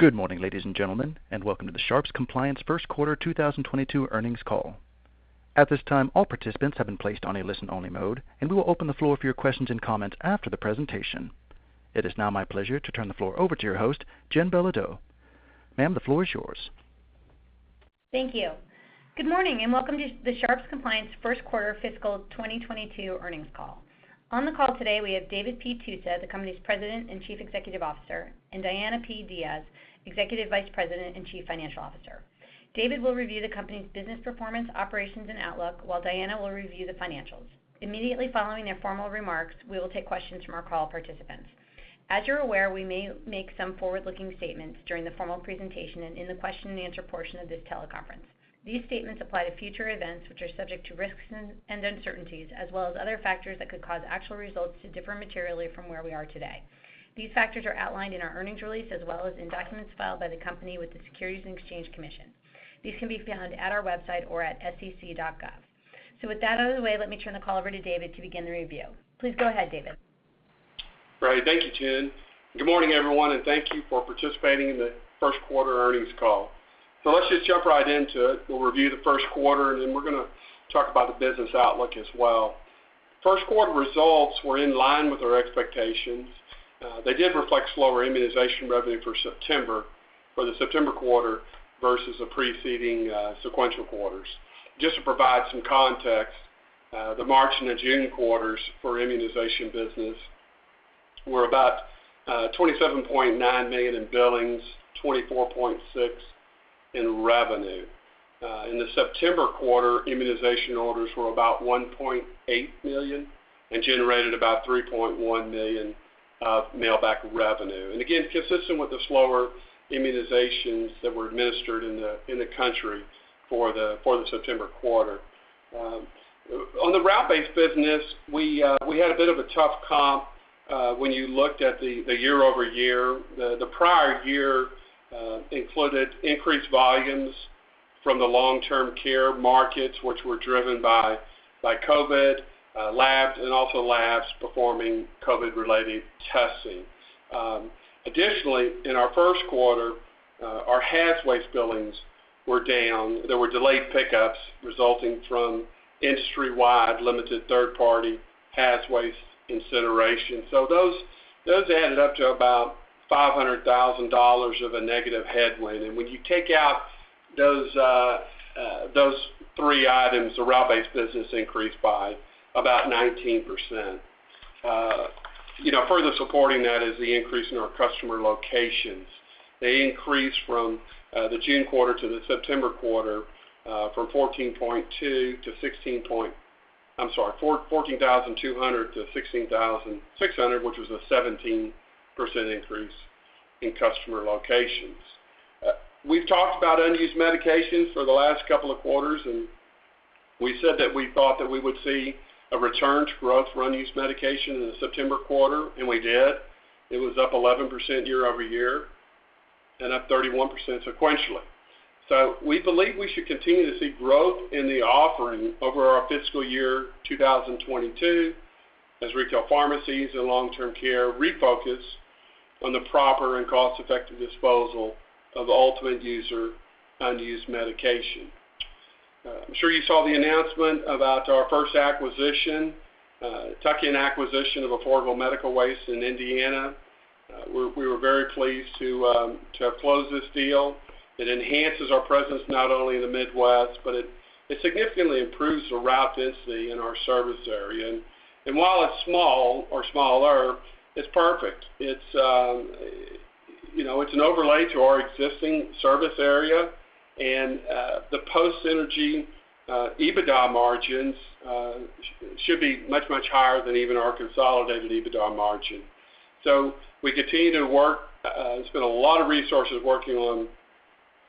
Good morning, ladies and gentlemen, and welcome to the Sharps Compliance First Quarter 2022 Earnings Call. At this time, all participants have been placed on a listen-only mode, and we will open the floor for your questions and comments after the presentation. It is now my pleasure to turn the floor over to your host, Jen Belodeau. Ma'am, the floor is yours. Thank you. Good morning, and welcome to the Sharps Compliance First Quarter Fiscal 2022 Earnings Call. On the call today, we have David P. Tusa, the company's President and Chief Executive Officer, and Diana P. Diaz, Executive Vice President and Chief Financial Officer. David will review the company's business performance, operations, and outlook, while Diana will review the financials. Immediately following their formal remarks, we will take questions from our call participants. As you're aware, we may make some forward-looking statements during the formal presentation and in the question and answer portion of this teleconference. These statements apply to future events which are subject to risks and uncertainties, as well as other factors that could cause actual results to differ materially from where we are today. These factors are outlined in our earnings release, as well as in documents filed by the company with the Securities and Exchange Commission. These can be found at our website or at sec.gov. With that out of the way, let me turn the call over to David to begin the review. Please go ahead, David. Right. Thank you, Jen. Good morning, everyone, and thank you for participating in the first quarter earnings call. Let's just jump right into it. We'll review the first quarter, and then we're gonna talk about the business outlook as well. First quarter results were in line with our expectations. They did reflect slower immunization revenue for September, for the September quarter versus the preceding sequential quarters. Just to provide some context, the March and the June quarters for immunization business were about $27.9 million in billings, $24.6 million in revenue. In the September quarter, immunization orders were about $1.8 million and generated about $3.1 million of Mailback revenue. Again, consistent with the slower immunizations that were administered in the country for the September quarter. On the route-based business, we had a bit of a tough comp when you looked at the year-over-year. The prior year included increased volumes from the long-term care markets, which were driven by COVID labs and also labs performing COVID-related testing. Additionally, in our first quarter, our haz waste billings were down. There were delayed pickups resulting from industry-wide limited third-party haz waste incineration. Those added up to about $500,000 of a negative headwind. When you take out those three items, the route-based business increased by about 19%. You know, further supporting that is the increase in our customer locations. They increased from the June quarter to the September quarter, from 14.2 to 16 point. I'm sorry, from 14,200 to 16,600, which was a 17% increase in customer locations. We've talked about unused medications for the last couple of quarters, and we said that we thought that we would see a return to growth for unused medication in the September quarter, and we did. It was up 11% year-over-year and up 31% sequentially. We believe we should continue to see growth in the offering over our fiscal year 2022 as retail pharmacies and long-term care refocus on the proper and cost-effective disposal of ultimate user unused medication. I'm sure you saw the announcement about our first acquisition, tuck-in acquisition of Affordable Medical Waste in Indiana. We were very pleased to have closed this deal. It enhances our presence not only in the Midwest, but it significantly improves the route density in our service area. While it's small or smaller, it's perfect. It's, you know, an overlay to our existing service area. The post-synergy EBITDA margins should be much higher than even our consolidated EBITDA margin. We continue to spend a lot of resources working on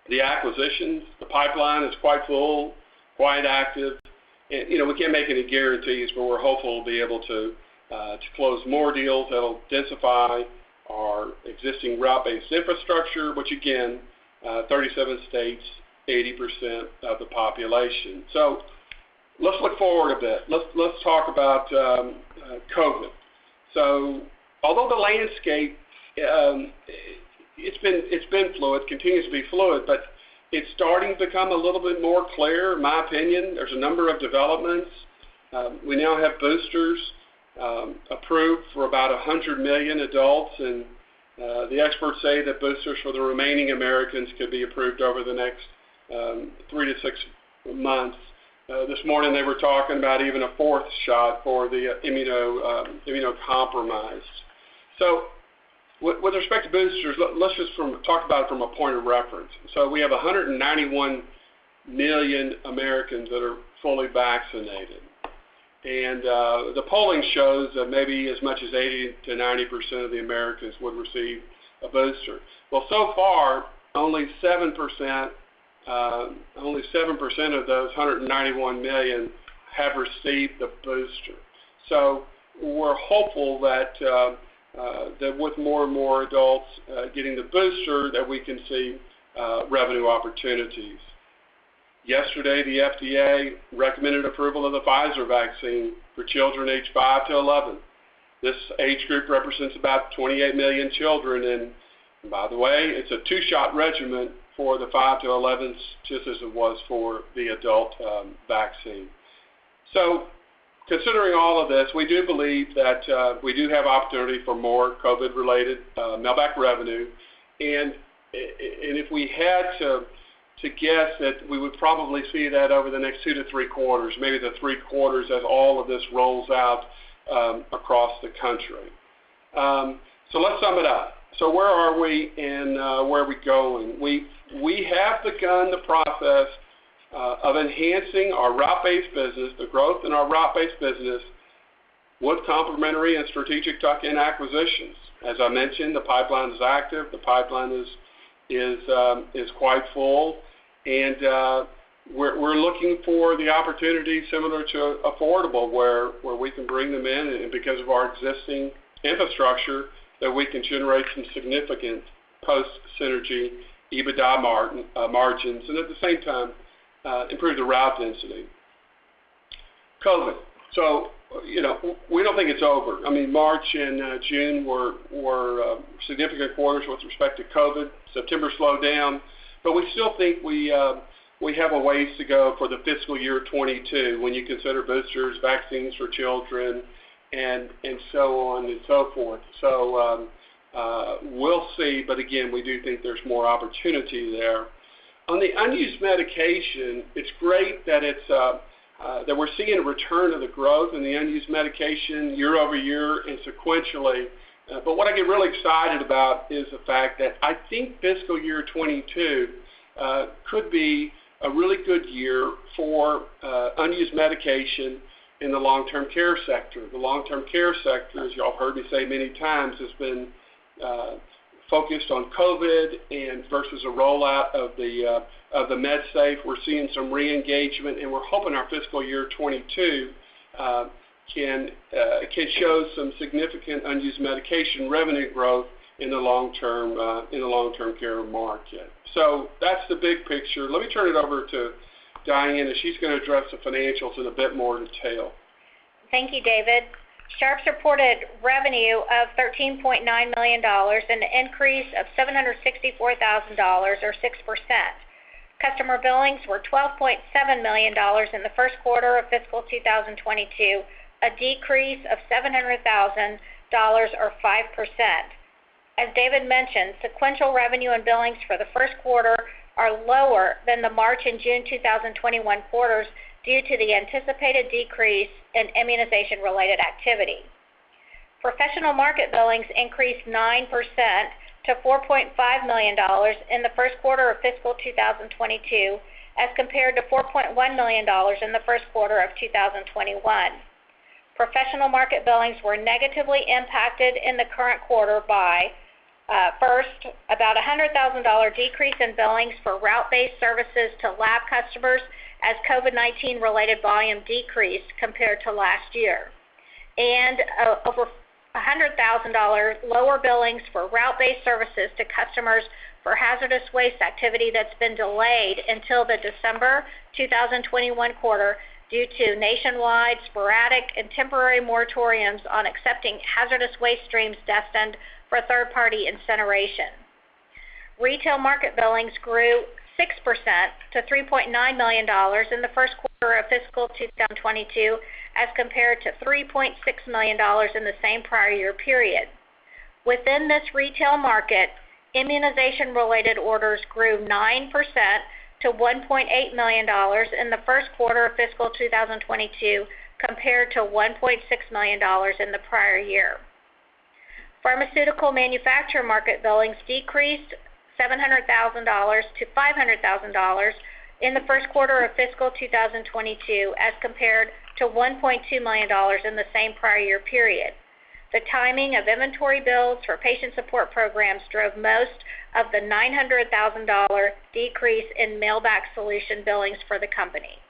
the acquisitions. The pipeline is quite full, quite active. You know, we can't make any guarantees, but we're hopeful we'll be able to close more deals that'll densify our existing route-based infrastructure, which again, 37 states, 80% of the population. Let's look forward a bit. Let's talk about COVID. Although the landscape, it's been fluid, continues to be fluid, but it's starting to become a little bit more clear, in my opinion. There's a number of developments. We now have boosters approved for about 100 million adults. The experts say that boosters for the remaining Americans could be approved over the next 3-6 months. This morning they were talking about even a fourth shot for the immunocompromised. With respect to boosters, let's just talk about it from a point of reference. We have 191 million Americans that are fully vaccinated. The polling shows that maybe as much as 80%-90% of the Americans would receive a booster. Well, so far only 7% of those 191 million have received the booster. We're hopeful that with more and more adults getting the booster that we can see revenue opportunities. Yesterday, the FDA recommended approval of the Pfizer vaccine for children aged 5-11. This age group represents about 28 million children. By the way, it's a two-shot regimen for the five to 11s, just as it was for the adult vaccine. Considering all of this, we do believe that we do have opportunity for more COVID-related mail back revenue. If we had to guess that we would probably see that over the next 2-3 quarters, maybe the three quarters as all of this rolls out across the country. Let's sum it up. Where are we and where are we going? We have begun the process of enhancing our route-based business, the growth in our route-based business with complementary and strategic tuck-in acquisitions. As I mentioned, the pipeline is active. The pipeline is quite full. We're looking for the opportunity similar to affordable, where we can bring them in, and because of our existing infrastructure, that we can generate some significant post synergy EBITDA margins, and at the same time, improve the route density. COVID. You know, we don't think it's over. I mean, March and June were significant quarters with respect to COVID. September slowed down, but we still think we have a ways to go for the fiscal year 2022 when you consider boosters, vaccines for children, and so on and so forth. We'll see. Again, we do think there's more opportunity there. On the unused medication, it's great that we're seeing a return of the growth in the unused medication year over year and sequentially. What I get really excited about is the fact that I think fiscal year 2022 could be a really good year for unused medication in the long-term care sector. The long-term care sector, as you all heard me say many times, has been focused on COVID and versus a rollout of the MedSafe. We're seeing some re-engagement, and we're hoping our fiscal year 2022 can show some significant unused medication revenue growth in the long-term care market. That's the big picture. Let me turn it over to Diana, and she's gonna address the financials in a bit more detail. Thank you, David. Sharps reported revenue of $13.9 million, an increase of $764,000 or 6%. Customer billings were $12.7 million in the first quarter of fiscal 2022, a decrease of $700,000 or 5%. As David mentioned, sequential revenue and billings for the first quarter are lower than the March and June 2021 quarters due to the anticipated decrease in immunization-related activity. Professional market billings increased 9% to $4.5 million in the first quarter of fiscal 2022 as compared to $4.1 million in the first quarter of 2021. Professional market billings were negatively impacted in the current quarter by, first, about $100,000 decrease in billings for route-based services to lab customers as COVID-19 related volume decreased compared to last year, and over $100,000 lower billings for route-based services to customers for hazardous waste activity that's been delayed until the December 2021 quarter due to nationwide sporadic and temporary moratoriums on accepting hazardous waste streams destined for third-party incineration. Retail market billings grew 6% to $3.9 million in the first quarter of fiscal 2022 as compared to $3.6 million in the same prior year period. Within this retail market, immunization-related orders grew 9% to $1.8 million in the first quarter of fiscal 2022 compared to $1.6 million in the prior year. Pharmaceutical manufacturer market billings decreased $700,000 to $500,000 in the first quarter of fiscal 2022 as compared to $1.2 million in the same prior year period. The timing of inventory bills for patient support programs drove most of the $900,000 decrease in Mailback solution billings for the company.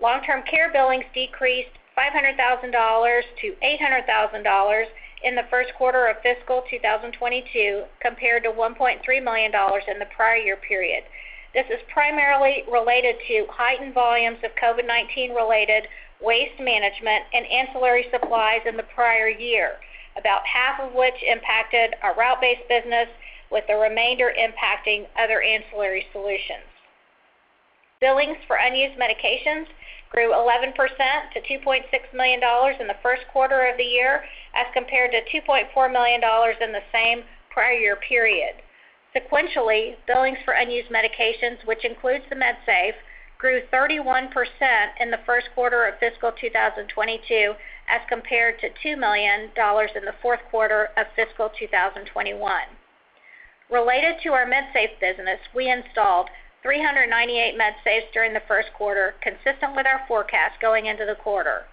Long-term care billings decreased $500,000 to $800,000 in the first quarter of fiscal 2022 compared to $1.3 million in the prior year period. This is primarily related to heightened volumes of COVID-19 related waste management and ancillary supplies in the prior year, about half of which impacted our route-based business with the remainder impacting other ancillary solutions. Billings for unused medications grew 11% to $2.6 million in the first quarter of the year as compared to $2.4 million in the same prior year period. Sequentially, billings for unused medications, which includes the MedSafe, grew 31% in the first quarter of fiscal 2022 as compared to $2 million in the fourth quarter of fiscal 2021. Related to our MedSafe business, we installed 398 MedSafes during the first quarter, consistent with our forecast going into the quarter.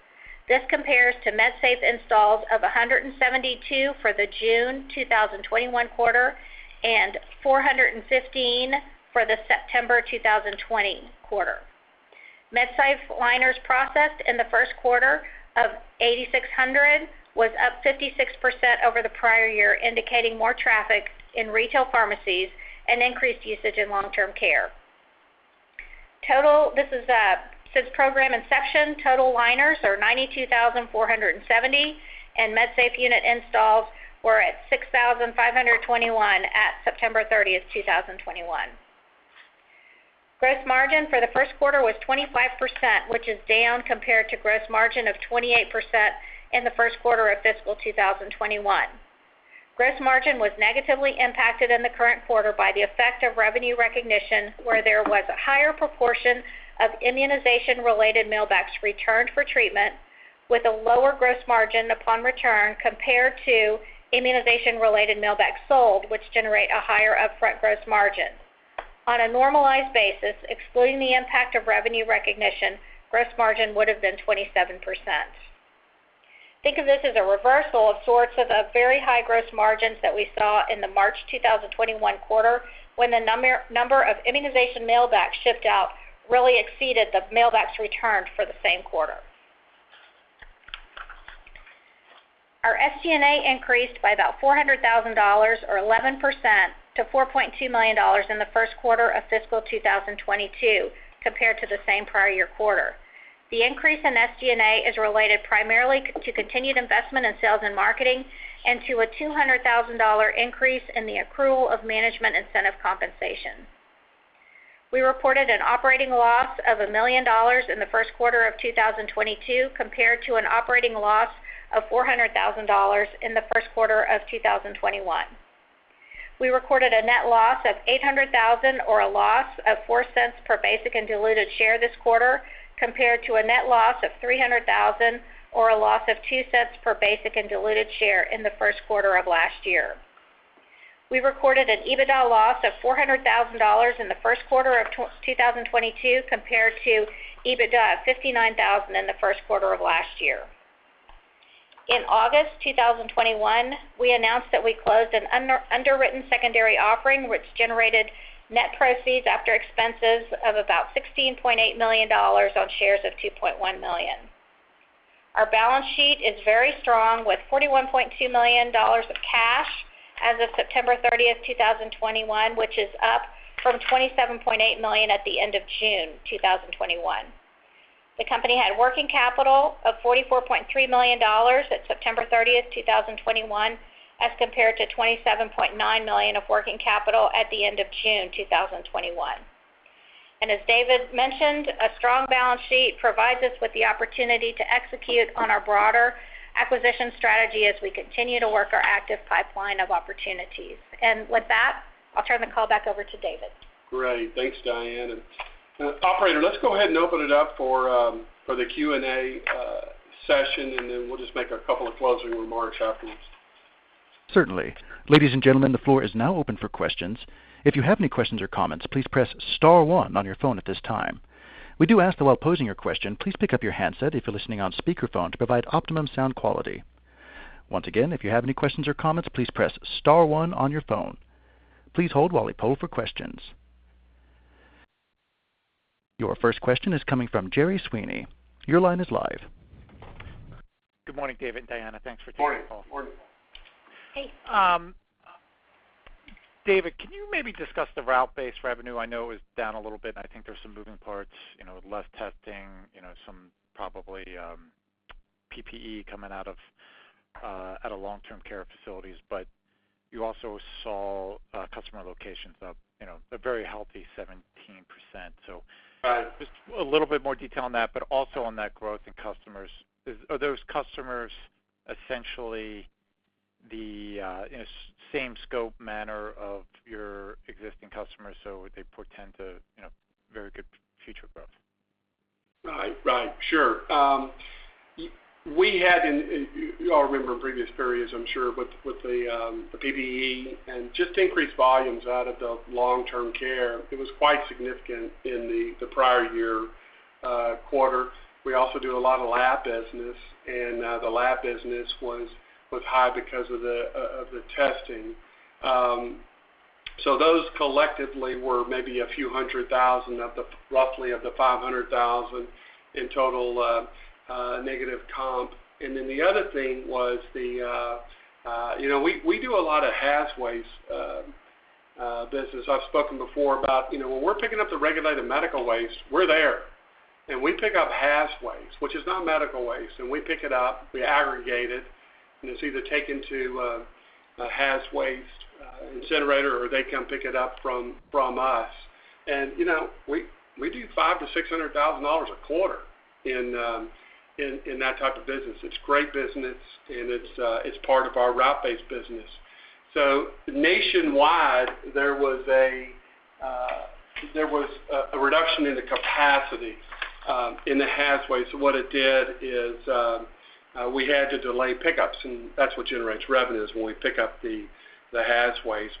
This compares to MedSafe installs of 172 for the June 2021 quarter and 415 for the September 2020 quarter. MedSafe liners processed in the first quarter of 8,600 was up 56% over the prior year, indicating more traffic in retail pharmacies and increased usage in long-term care. Total liners are 92,470 since program inception, and MedSafe unit installs were at 6,521 at September 30th, 2021. Gross margin for the first quarter was 25%, which is down compared to gross margin of 28% in the first quarter of fiscal 2021. Gross margin was negatively impacted in the current quarter by the effect of revenue recognition, where there was a higher proportion of immunization-related Mailbacks returned for treatment with a lower gross margin upon return, compared to immunization-related Mailbacks sold, which generate a higher upfront gross margin. On a normalized basis, excluding the impact of revenue recognition, gross margin would have been 27%. Think of this as a reversal of sorts of a very high gross margins that we saw in the March 2021 quarter, when the number of immunization Mailbacks shipped out really exceeded the Mailbacks returned for the same quarter. Our SG&A increased by about $400,000 or 11% to $4.2 million in the first quarter of fiscal 2022 compared to the same prior year quarter. The increase in SG&A is related primarily to continued investment in sales and marketing and to a $200,000 increase in the accrual of management incentive compensation. We reported an operating loss of $1 million in the first quarter of 2022 compared to an operating loss of $400,000 in the first quarter of 2021. We recorded a net loss of $800,000 or a loss of $0.04 per basic and diluted share this quarter, compared to a net loss of $300,000 or a loss of $0.02 per basic and diluted share in the first quarter of last year. We recorded an EBITDA loss of $400,000 in the first quarter of 2022 compared to EBITDA of $59,000 in the first quarter of last year. In August 2021, we announced that we closed an underwritten secondary offering which generated net proceeds after expenses of about $16.8 million on shares of 2.1 million. Our balance sheet is very strong with $41.2 million of cash as of September 30th, 2021, which is up from $27.8 million at the end of June 2021. The company had working capital of $44.3 million at September 30th, 2021, as compared to $27.9 million of working capital at the end of June 2021. As David mentioned, a strong balance sheet provides us with the opportunity to execute on our broader acquisition strategy as we continue to work our active pipeline of opportunities. With that, I'll turn the call back over to David. Great. Thanks, Diana. Operator, let's go ahead and open it up for the Q&A session, and then we'll just make a couple of closing remarks afterwards. Certainly. Ladies and gentlemen, the floor is now open for questions. If you have any questions or comments, please press star one on your phone at this time. We do ask that while posing your question, please pick up your handset if you're listening on speakerphone to provide optimum sound quality. Once again, if you have any questions or comments, please press star one on your phone. Please hold while we poll for questions. Your first question is coming from Gerry Sweeney. Your line is live. Good morning, David and Diana. Thanks for taking the call. Morning. Morning. Hey. David, can you maybe discuss the route-based revenue? I know it was down a little bit, and I think there's some moving parts, you know, with less testing, you know, some probably PPE coming out of long-term care facilities. But you also saw customer locations up, you know, a very healthy 17%. So Right... just a little bit more detail on that, but also on that growth in customers. Are those customers essentially the, you know, same scope and manner of your existing customers, so they portend to, you know, very good future growth? Right. Sure. We had in previous periods. You all remember, I'm sure, but with the PPE and just increased volumes out of the long-term care, it was quite significant in the prior year quarter. We also do a lot of lab business, and the lab business was high because of the testing. So those collectively were maybe a few $100,000 of the roughly $500,000 in total negative comp. Then the other thing was, you know, we do a lot of Hazardous Waste business. I've spoken before about, you know, when we're picking up the regulated medical waste, we're there. We pick up Hazardous Waste, which is not medical waste, and we pick it up, we aggregate it, and it's either taken to a Hazardous Waste incinerator, or they come pick it up from us. You know, we do $500,000-$600,000 a quarter in that type of business. It's great business, and it's part of our route-based business. Nationwide, there was a reduction in the capacity in the Hazardous Waste. What it did is we had to delay pickups, and that's what generates revenue is when we pick up the Hazardous Waste.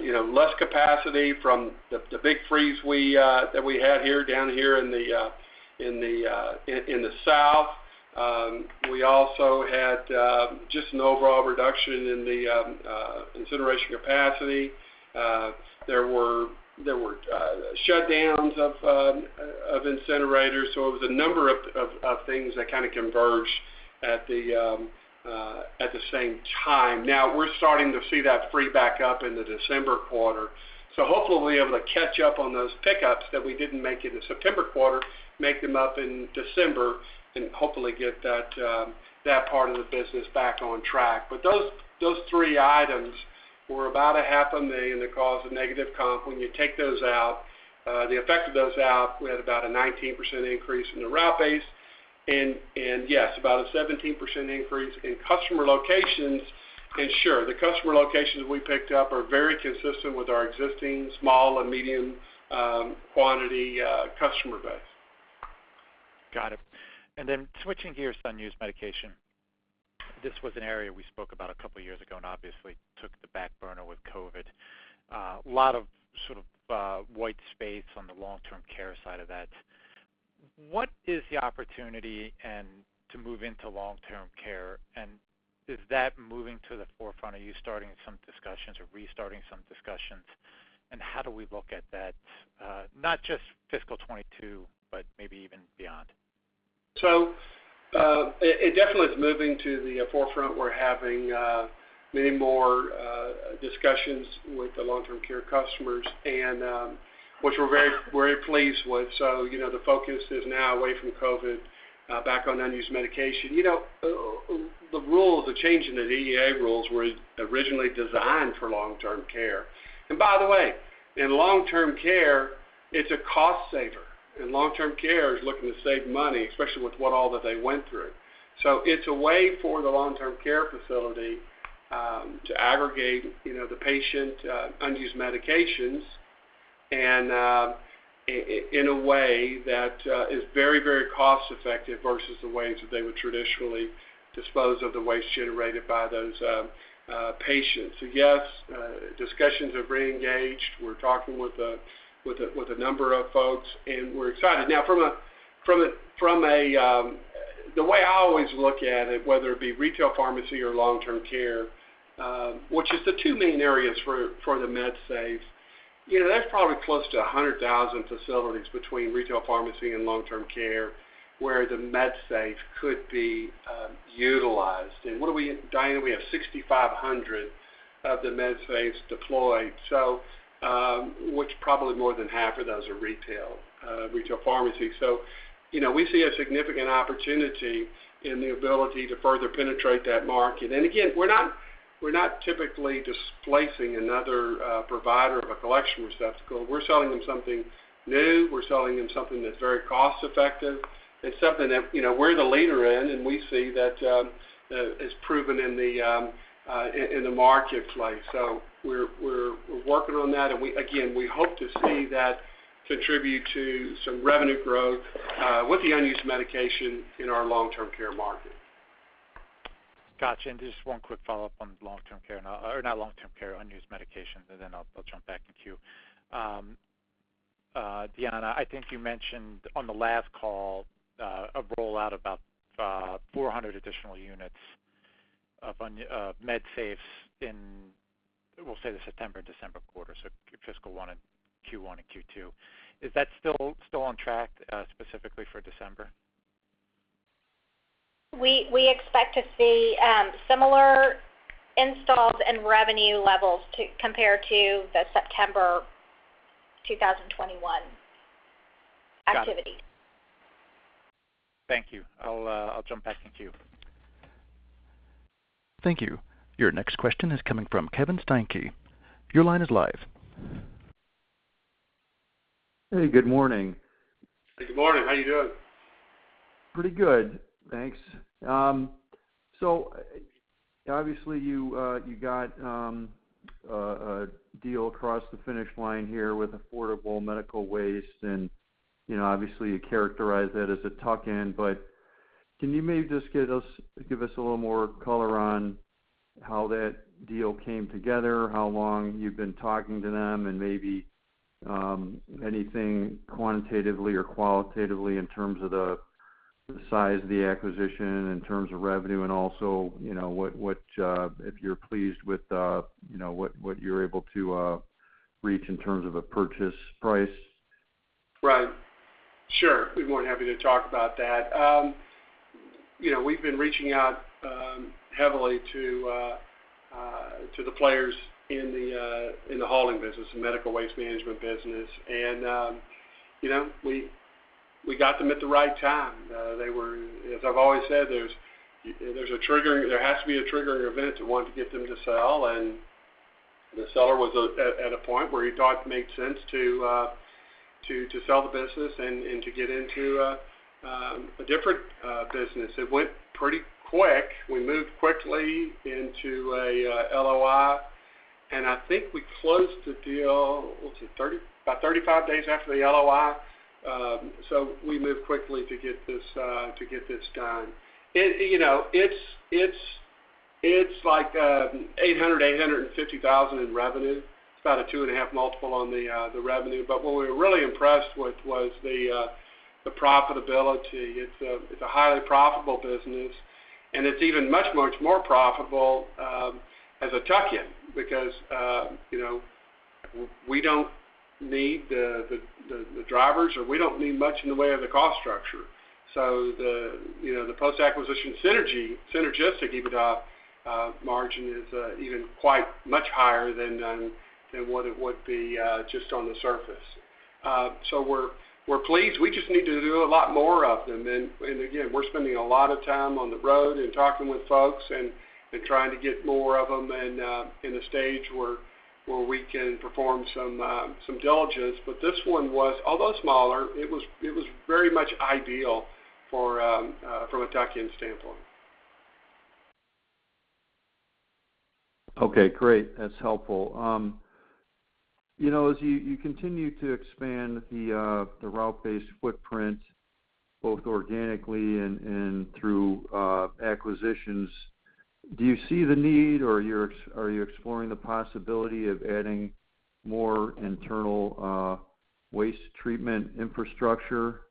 You know, less capacity from the big freeze that we had here, down here in the South. We also had just an overall reduction in the incineration capacity. There were shutdowns of incinerators. So it was a number of things that kind of converged at the same time. Now, we're starting to see that freeing back up in the December quarter. So hopefully we'll be able to catch up on those pickups that we didn't make in the September quarter, make them up in December, and hopefully get that part of the business back on track. Those three items were about $0.5 million that caused a negative comp. When you take the effect of those out, we had about a 19% increase in the route-based. Yes, about a 17% increase in customer locations. Sure, the customer locations we picked up are very consistent with our existing small and medium quantity customer base. Got it. Switching gears to unused medication, this was an area we spoke about a couple years ago, and obviously took the back burner with COVID. A lot of sort of white space on the long-term care side of that. What is the opportunity and to move into long-term care, and is that moving to the forefront? Are you starting some discussions or restarting some discussions? How do we look at that, not just fiscal 2022, but maybe even beyond? It definitely is moving to the forefront. We're having many more discussions with the long-term care customers and, which we're very, very pleased with. You know, the focus is now away from COVID back on unused medication. You know, the rule, the change in the DEA rules were originally designed for long-term care. By the way, in long-term care, it's a cost saver. Long-term care is looking to save money, especially with what all that they went through. It's a way for the long-term care facility to aggregate, you know, the patients' unused medications and in a way that is very, very cost effective versus the ways that they would traditionally dispose of the waste generated by those patients. Yes, discussions have reengaged. We're talking with a number of folks, and we're excited. Now, the way I always look at it, whether it be retail pharmacy or long-term care, which is the two main areas for the MedSafe, you know, that's probably close to 100,000 facilities between retail pharmacy and long-term care where the MedSafe could be utilized. What do we have? Dial in, we have 6,500 of the MedSafes deployed. Which probably more than half of those are retail pharmacy. You know, we see a significant opportunity in the ability to further penetrate that market. Again, we're not typically displacing another provider of a collection receptacle. We're selling them something new. We're selling them something that's very cost-effective and something that, you know, we're the leader in, and we see that is proven in the marketplace. We're working on that, and again, we hope to see that contribute to some revenue growth with the unused medication in our long-term care market. Gotcha. Just one quick follow-up on long-term care, or not long-term care, unused medications, and then I'll jump back in queue. Diana, I think you mentioned on the last call a rollout about 400 additional units of MedSafes in, we'll say the September, December quarter, so fiscal one and Q1 and Q2. Is that still on track specifically for December? We expect to see similar installs and revenue levels to compare to the September 2021 activities. Got it. Thank you. I'll jump back in queue. Thank you. Your next question is coming from Kevin Steinke. Your line is live. Hey, good morning. Good morning. How you doing? Pretty good, thanks. So obviously, you got a deal across the finish line here with Affordable Medical Waste, and you know, obviously you characterize that as a tuck-in, but can you maybe just give us a little more color on how that deal came together, how long you've been talking to them, and maybe anything quantitatively or qualitatively in terms of the size of the acquisition, in terms of revenue, and also you know, what if you're pleased with you know, what you're able to reach in terms of a purchase price? Right. Sure. We're more than happy to talk about that. You know, we've been reaching out heavily to the players in the hauling business, the medical waste management business. You know, we got them at the right time. They were. As I've always said, there's a triggering event to want to get them to sell. The seller was at a point where he thought it made sense to sell the business and to get into a different business. It went pretty quick. We moved quickly into a LOI, and I think we closed the deal 30, about 35 days after the LOI. We moved quickly to get this done. You know, it's like $850,000 in revenue. It's about a 2.5x multiple on the revenue. What we were really impressed with was the profitability. It's a highly profitable business, and it's even much more profitable as a tuck-in because, you know, we don't need the drivers or we don't need much in the way of the cost structure. The post-acquisition synergistic EBITDA margin is even quite much higher than what it would be just on the surface. We're pleased. We just need to do a lot more of them. Again, we're spending a lot of time on the road and talking with folks and trying to get more of them in a stage where we can perform some diligence. This one was, although smaller, it was very much ideal for from a tuck-in standpoint. Okay, great. That's helpful. You know, as you continue to expand the route-based footprint both organically and through acquisitions, do you see the need or are you exploring the possibility of adding more internal waste treatment infrastructure?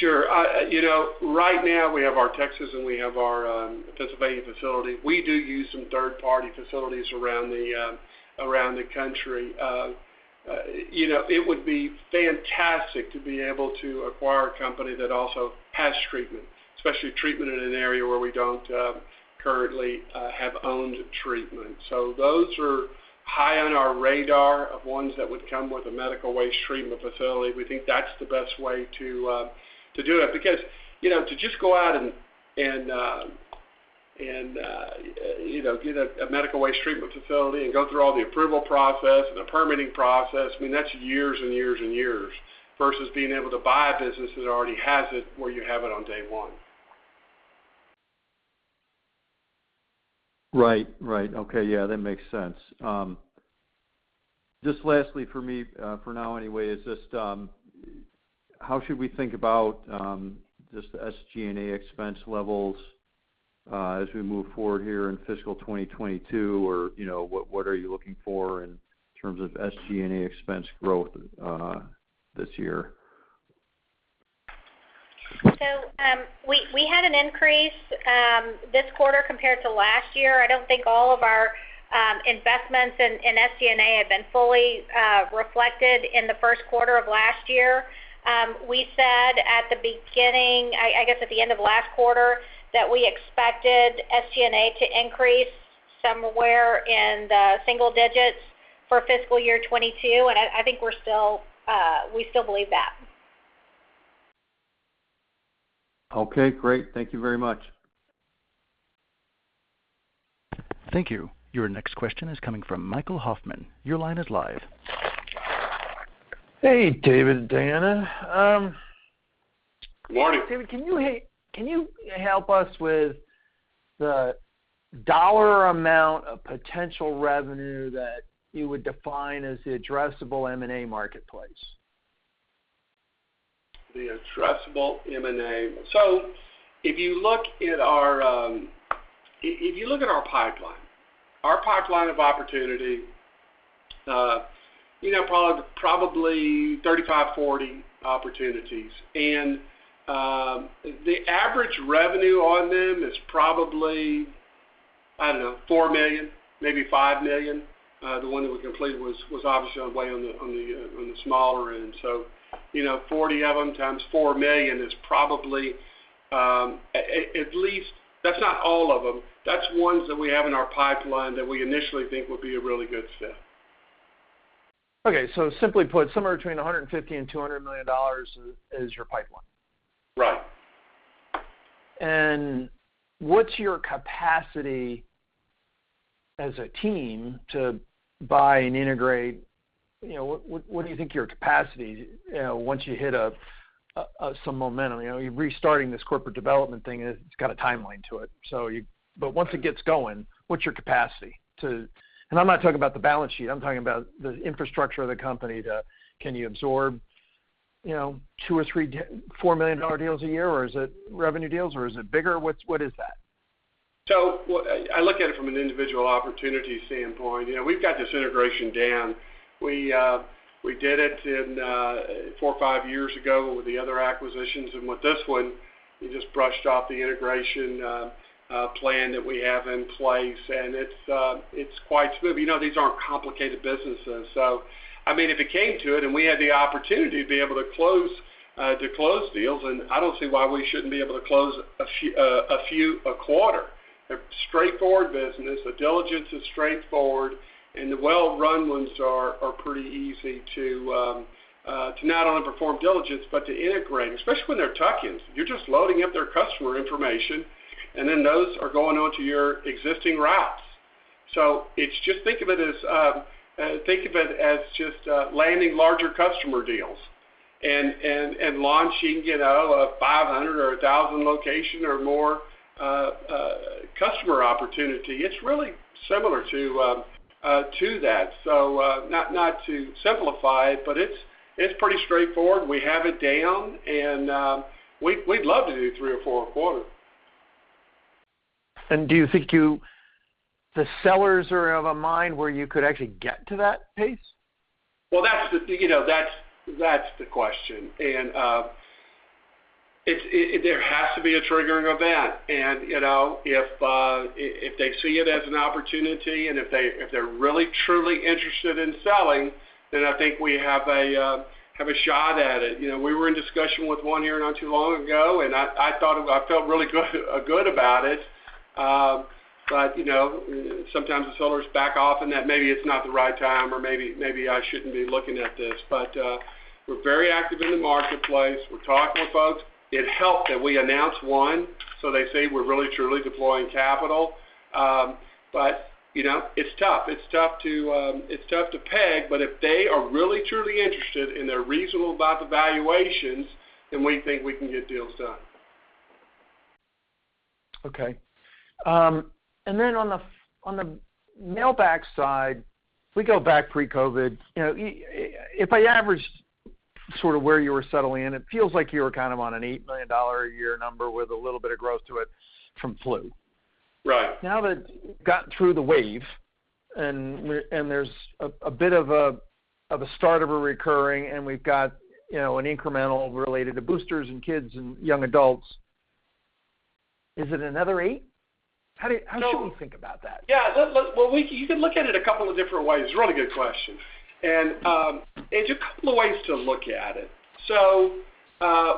Sure. You know, right now we have our Texas and we have our Pennsylvania facility. We do use some third-party facilities around the country. You know, it would be fantastic to be able to acquire a company that also has treatment, especially treatment in an area where we don't currently have owned treatment. So those are high on our radar of ones that would come with a medical waste treatment facility. We think that's the best way to do it because, you know, to just go out and get a medical waste treatment facility and go through all the approval process and the permitting process, I mean, that's years and years and years versus being able to buy a business that already has it where you have it on day one. Right. Okay. Yeah, that makes sense. Just lastly for me, for now anyway, is just how should we think about just the SG&A expense levels as we move forward here in fiscal 2022? Or, you know, what are you looking for in terms of SG&A expense growth this year? We had an increase this quarter compared to last year. I don't think all of our investments in SG&A have been fully reflected in the first quarter of last year. We said at the beginning, I guess at the end of last quarter, that we expected SG&A to increase somewhere in the single digits for fiscal year 2022, and I think we still believe that. Okay, great. Thank you very much. Thank you. Your next question is coming from Michael Hoffman. Your line is live. Hey, David and Diana. One, David, can you help us with the dollar amount of potential revenue that you would define as the addressable M&A marketplace? The addressable M&A. If you look at our pipeline, our pipeline of opportunity, you know, probably 35, 40 opportunities. The average revenue on them is probably, I don't know, $4 million, maybe $5 million. The one that we completed was obviously on the smaller end. You know, 40 of them times $4 million is probably at least. That's not all of them. That's ones that we have in our pipeline that we initially think would be a really good fit. Okay. Simply put, somewhere between $150 million and $200 million is your pipeline? Right. What's your capacity as a team to buy and integrate? You know, what do you think your capacity, you know, once you hit some momentum? You know, restarting this corporate development thing, it's got a timeline to it. But once it gets going, what's your capacity to absorb? I'm not talking about the balance sheet, I'm talking about the infrastructure of the company. Can you absorb, you know, $2 million or $3 million or $4 million deals a year, or is it revenue deals or is it bigger? What is that? I look at it from an individual opportunity standpoint. You know, we've got this integration down. We did it in four or five years ago with the other acquisitions. With this one, we just brushed off the integration plan that we have in place, and it's quite smooth. You know, these aren't complicated businesses. I mean, if it came to it and we had the opportunity to be able to close deals, then I don't see why we shouldn't be able to close a few a quarter. They're straightforward business. The diligence is straightforward. The well-run ones are pretty easy to not only perform diligence, but to integrate, especially when they're tuck-ins. You're just loading up their customer information, and then those are going onto your existing routes. It's just think of it as just landing larger customer deals and launching, you know, a 500 or a 1,000 location or more customer opportunity. It's really similar to that. Not to simplify it, but it's pretty straightforward. We have it down, and we'd love to do three or four a quarter. Do you think the sellers are of a mind where you could actually get to that pace? Well, that's the question. There has to be a triggering event. You know, if they see it as an opportunity, and if they're really truly interested in selling, then I think we have a shot at it. You know, we were in discussion with one here not too long ago, and I felt really good about it. You know, sometimes the sellers back off and then maybe it's not the right time or maybe I shouldn't be looking at this. We're very active in the marketplace. We're talking with folks. It helped that we announced one, so they see we're really truly deploying capital. You know, it's tough. It's tough to peg, but if they are really truly interested and they're reasonable about the valuations, then we think we can get deals done. Okay. On the Mailback side, if we go back pre-COVID, you know, if I average sort of where you were settling in, it feels like you were kind of on a $8 million a year number with a little bit of growth to it from flu. Right. Now that we've gotten through the wave, and there's a bit of a start of a recovery, and we've got, you know, an incremental related to boosters and kids and young adults, is it another eight? How should we think about that? You could look at it a couple of different ways. It's a really good question. Just a couple of ways to look at it.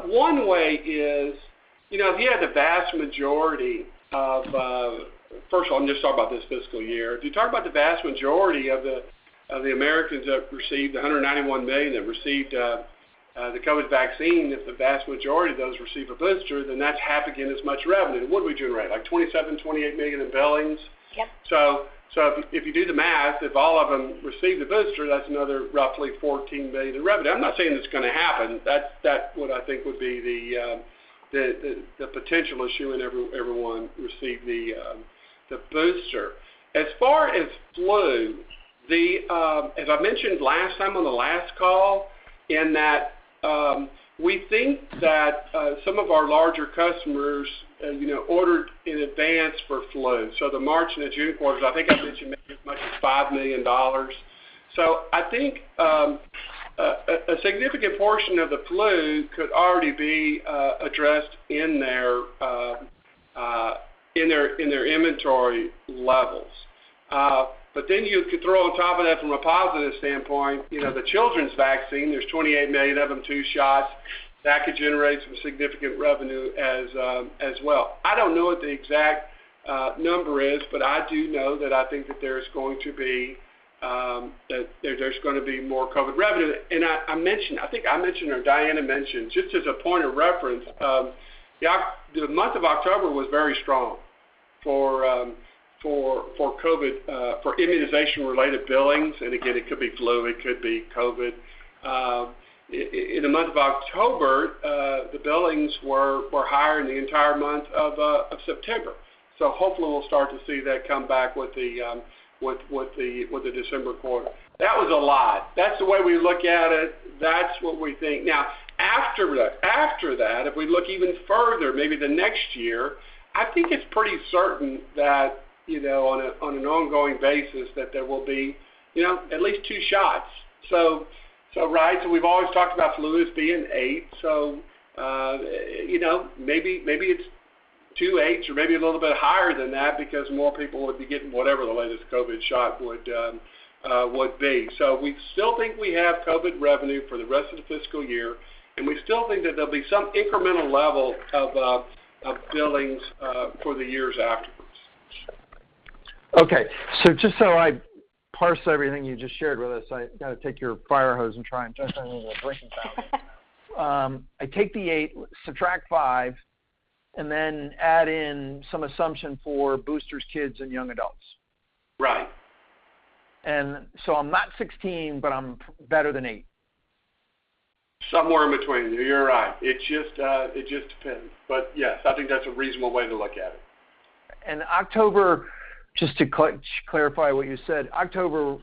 One way is, you know, if you had the vast majority of the Americans that received the 191 million that received the COVID vaccine, if the vast majority of those receive a booster, then that's half again as much revenue. What do we generate? Like $27 million-$28 million in billings? Yep. If you do the math, if all of them receive the booster, that's another roughly $14 million in revenue. I'm not saying it's gonna happen. That's what I think would be the potential issue whenever everyone received the booster. As far as flu, as I mentioned last time on the last call, in that we think that some of our larger customers, you know, ordered in advance for flu. The March and the June quarters, I think I mentioned maybe as much as $5 million. I think a significant portion of the flu could already be addressed in their inventory levels. You could throw on top of that from a positive standpoint, you know, the children's vaccine. There's 28 million of them, two shots. That could generate some significant revenue as well. I don't know what the exact number is, but I do know that I think that there's going to be more COVID revenue. I think I mentioned or Diana mentioned, just as a point of reference, the month of October was very strong for COVID, for immunization-related billings. Again, it could be flu, it could be COVID. In the month of October, the billings were higher in the entire month of September. Hopefully we'll start to see that come back with the December quarter. That was a lot. That's the way we look at it. That's what we think. Now, after that, if we look even further, maybe the next year, I think it's pretty certain that, you know, on an ongoing basis, that there will be, you know, at least two shots. Right. We've always talked about flu as being eight. You know, maybe it's two eights or maybe a little bit higher than that because more people would be getting whatever the latest COVID shot would be. We still think we have COVID revenue for the rest of the fiscal year, and we still think that there'll be some incremental level of billings for the years afterwards. Okay. Just so I parse everything you just shared with us, I gotta take your fire hose and try and just a little drink it down. I take the eight, subtract five, and then add in some assumption for boosters, kids, and young adults. Right. I'm not 16, but I'm better than eight. Somewhere in between. You're right. It just depends. Yes, I think that's a reasonable way to look at it. October, just to clarify what you said, October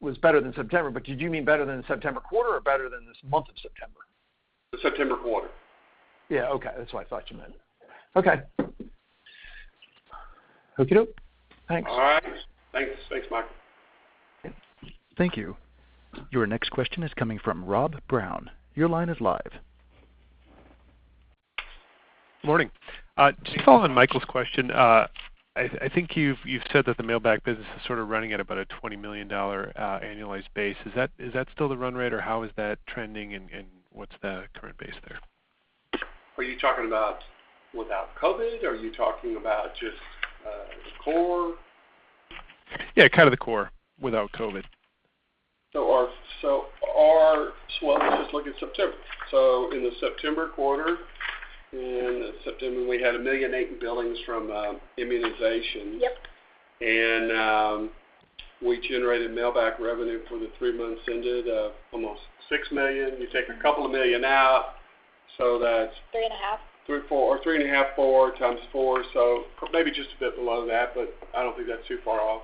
was better than September, but did you mean better than the September quarter or better than this month of September? The September quarter. Yeah. Okay. That's what I thought you meant. Okay. Okie doke. Thanks. All right. Thanks, Michael. Thank you. Your next question is coming from Rob Brown. Your line is live. Morning. Just to follow on Michael's question, I think you've said that the Mailback business is sort of running at about a $20 million annualized base. Is that still the run rate, or how is that trending, and what's the current base there? Are you talking about without COVID? Are you talking about just, the core? Yeah, kind of the core without COVID. Let me just look at September. In the September quarter, in September, we had $1.8 million in billings from immunization. Yep. We generated Mailback revenue for the three months ended almost $6 million. You take a couple of million out, that's- 3.5. 3, 4, 3.5, 4 times 4. Maybe just a bit below that, but I don't think that's too far off.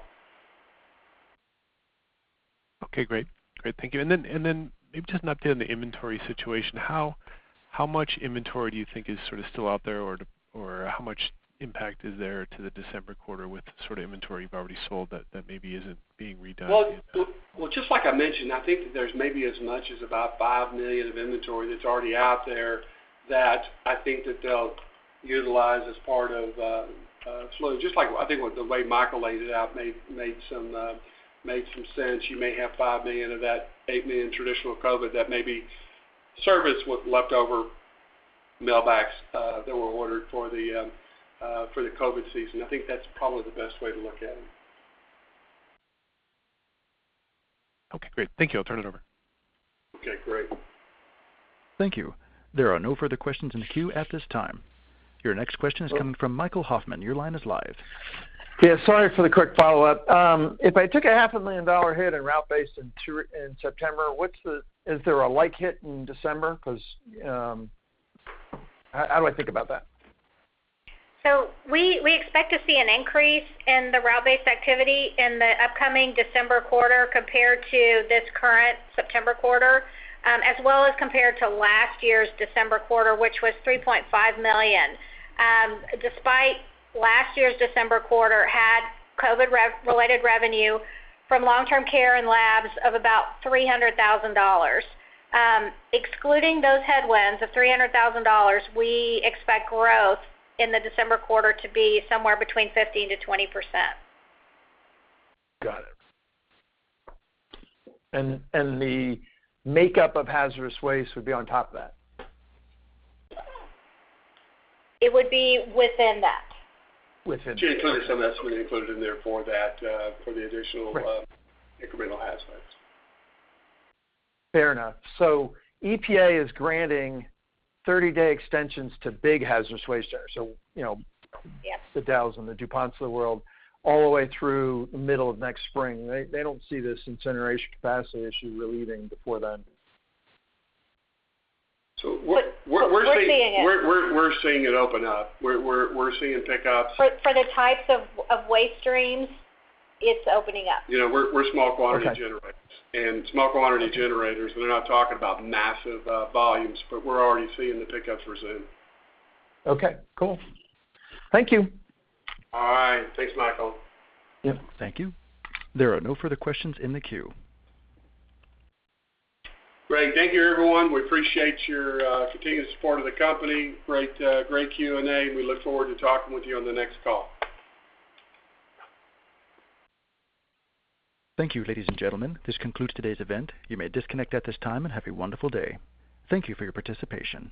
Okay, great. Great. Thank you. Maybe just an update on the inventory situation. How much inventory do you think is sort of still out there or how much impact is there to the December quarter with sort of inventory you've already sold that maybe isn't being redone? Well, well, just like I mentioned, I think that there's maybe as much as about $5 million of inventory that's already out there that I think that they'll utilize as part of. Just like I think with the way Michael laid it out made some sense. You may have $5 million of that $8 million traditional COVID that may be serviced with leftover Mailbacks that were ordered for the COVID season. I think that's probably the best way to look at it. Okay, great. Thank you. I'll turn it over. Okay, great. Thank you. There are no further questions in the queue at this time. Oh. -is coming from Michael Hoffman. Your line is live. Yeah, sorry for the quick follow-up. If I took a $500,000 Hit in route-based in September, what's the hit in December? Is there a like hit in December? 'Cause, how do I think about that? We expect to see an increase in the route-based activity in the upcoming December quarter compared to this current September quarter, as well as compared to last year's December quarter, which was $3.5 million. Despite last year's December quarter had COVID rev-related revenue from long-term care and labs of about $300,000. Excluding those headwinds of $300,000, we expect growth in the December quarter to be somewhere between 15%-20%. Got it. The makeup of hazardous waste would be on top of that? It would be within that. Within. She included some of that. We included in there for that, for the additional Great incremental haz waste. Fair enough. EPA is granting 30-day extensions to big Hazardous Waste centers. You know- Yes The Dows and the DuPonts of the world all the way through the middle of next spring. They don't see this incineration capacity issue relieving before then. We're seeing We're seeing it. We're seeing it open up. We're seeing pickups. For the types of waste streams, it's opening up. You know, we're small quantity generators. Okay. Small quantity generators, they're not talking about massive volumes, but we're already seeing the pickups resume. Okay, cool. Thank you. All right. Thanks, Michael. Yep. Thank you. There are no further questions in the queue. Great. Thank you, everyone. We appreciate your continued support of the company. Great Q&A, and we look forward to talking with you on the next call. Thank you, ladies and gentlemen. This concludes today's event. You may disconnect at this time, and have a wonderful day. Thank you for your participation.